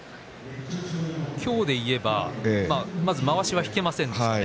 今日でいえばまずまわしが引けませんでしたね。